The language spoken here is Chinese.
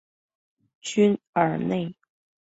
屈尔内。